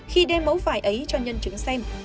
khi đem mẫu vải ấy cho nhân chứng xem